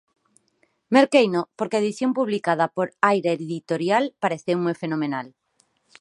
Merqueino porque a edición publicada por Aira Editorial pareceume fenomenal.